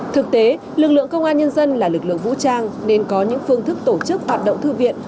thực tế lực lượng công an nhân dân là lực lượng vũ trang nên có những phương thức tổ chức hoạt động thư viện